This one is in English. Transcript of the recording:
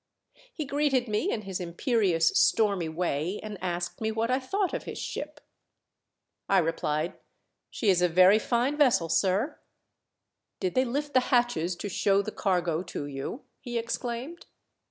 He greeted me in his imperious stormy way, and asked me what I thought of his ship. I replied, " She is a very fine vessel, sir." "Did they lift the hatches to show the cargo to you T' he exclaimed.